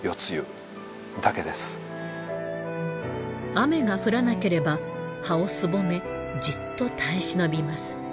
雨が降らなければ葉をすぼめじっと耐え忍びます。